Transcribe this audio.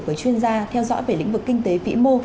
với chuyên gia theo dõi về lĩnh vực kinh tế vĩ mô